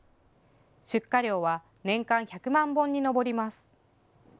出荷量は年間１００万本に上ります。